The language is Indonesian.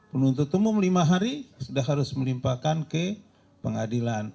penuntut umum lima hari sudah harus melimpahkan ke pengadilan